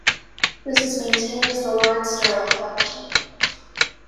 This is maintained as the Lawrence Durrell Collection.